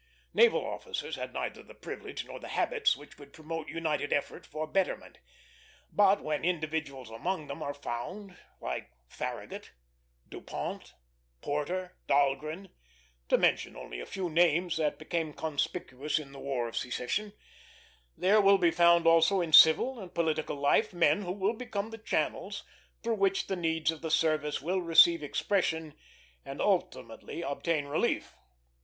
Naval officers had neither the privilege nor the habits which would promote united effort for betterment; but when individuals among them are found, like Farragut, Dupont, Porter, Dahlgren to mention only a few names that became conspicuous in the War of Secession there will be found also in civil and political life men who will become the channels through which the needs of the service will receive expression and ultimately obtain relief.